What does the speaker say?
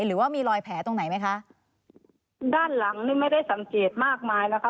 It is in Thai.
หรือว่ามีรอยแผลตรงไหนไหมคะด้านหลังนี่ไม่ได้สังเกตมากมายนะคะ